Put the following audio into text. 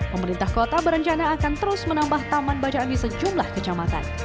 pemerintah kota berencana akan terus menambah taman bacaan di sejumlah kecamatan